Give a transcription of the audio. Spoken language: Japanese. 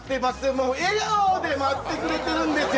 もう笑顔で待ってくれてるんですよ。